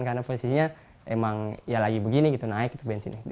karena posisinya emang ya lagi begini gitu naik itu bensinnya